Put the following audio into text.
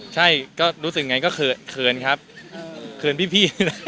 ใช่ก็รู้สึกไงก็เขินครับเขินพี่